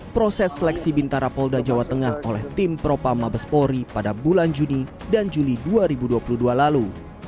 proses seleksi bintara polda jawa tengah oleh tim propam mabespori pada bulan juni dan juli dua ribu dua puluh dua lalu